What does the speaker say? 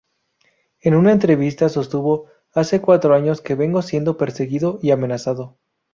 En una entrevista sostuvo: ""hace cuatro años que vengo siendo perseguido y amenazado.